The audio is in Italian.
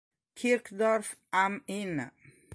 Kirchdorf am Inn